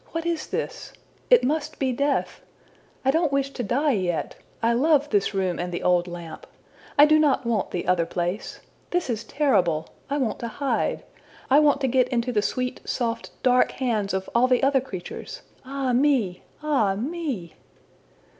What is this? It must be death! I don't wish to die yet. I love this room and the old lamp. I do not want the other place. This is terrible. I want to hide. I want to get into the sweet, soft, dark hands of all the other creatures. Ah me! ah me!''